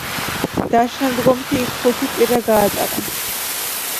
და შემდგომში იქ ხუთი კვირა გაატარა.